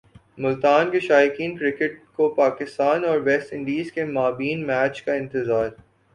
ملتان کے شائقین کرکٹ کو پاکستان اور ویسٹ انڈیز کے مابین میچ کا انتظار